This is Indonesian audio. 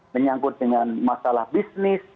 menyanggut dengan masalah bisnis